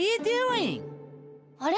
あれ？